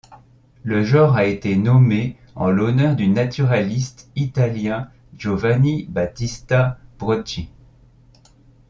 Le genre a été nommé en l'honneur du naturaliste italien Giovanni Battista Brocchi.